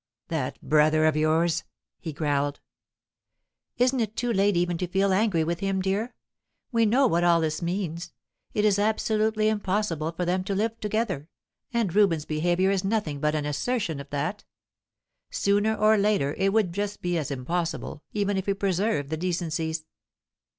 "That brother of yours!" he growled. "Isn't it too late even to feel angry with him, dear? We know what all this means. It is absolutely impossible for them to live together, and Reuben's behaviour is nothing but an assertion of that. Sooner or later, it would be just as impossible, even if he preserved the decencies."